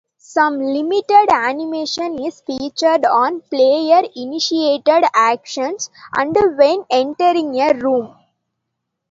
Some limited animation is featured on player-initiated actions and when entering a room.